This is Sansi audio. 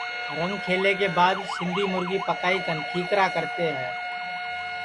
رنگ کھلے کے بعد سندھی مُرگی پکائی کن کھیکرا کرتے ہے